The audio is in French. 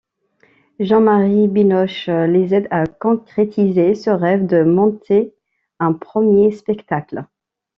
Jean-Marie Binoche les aide à concrétiser ce rêve de monter un premier spectacle.